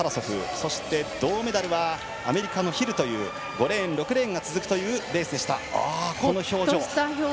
そして、銅メダルはアメリカのヒルという５レーン、６レーンが続くというレースでした。